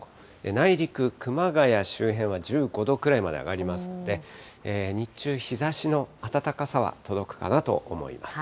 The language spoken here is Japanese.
内陸、熊谷周辺は１５度くらいまで上がりますので、日中、日ざしの暖かさは届くかなと思います。